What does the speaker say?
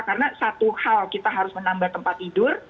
karena satu hal kita harus menambah tempat tidur